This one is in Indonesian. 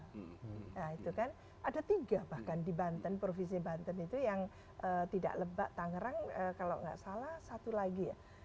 nah itu kan ada tiga bahkan di banten provinsi banten itu yang tidak lebak tangerang kalau nggak salah satu lagi ya